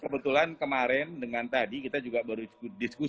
kebetulan kemarin dengan tadi kita juga baru diskusi dengan dirjen kereta api